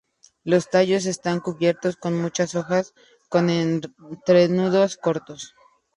Los tallos están cubiertos con muchas hojas con entrenudos cortos.